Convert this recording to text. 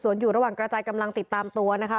ส่วนอยู่ระหว่างกระจายกำลังติดตามตัวนะคะ